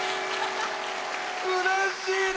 うれしいね。